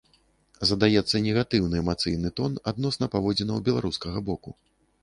Задаецца негатыўны эмацыйны тон адносна паводзінаў беларускага боку.